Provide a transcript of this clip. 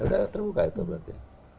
udah terbuka itu berarti